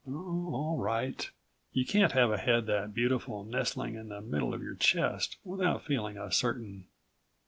Oh, all right. You can't have a head that beautiful nestling in the middle of your chest without feeling a certain